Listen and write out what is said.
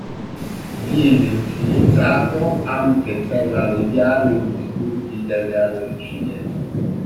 Viene utilizzato anche per alleviare i disturbi delle allergie.